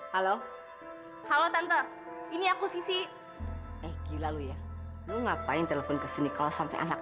halo halo tante ini aku sisi eh gila lu ya lu ngapain telepon ke sini kalau sampai anak